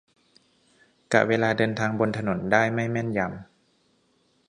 กะเวลาเดินทางบนถนนได้ไม่แม่นยำ